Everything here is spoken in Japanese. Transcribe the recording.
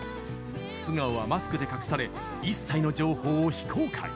素顔はマスクで隠され一切の情報を非公開。